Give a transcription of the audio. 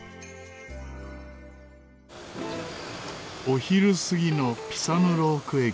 お昼過ぎのピサヌローク駅。